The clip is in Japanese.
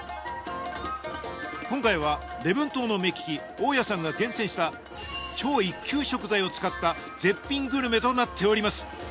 今回は礼文島の目利き大矢さんが厳選した超一級食材を使った絶品グルメとなっております。